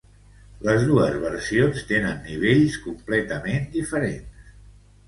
Les dos versions tenen nivells completament diferents.